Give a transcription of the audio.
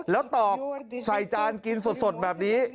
แล้วตอกใส่จานกินสดแบบนี้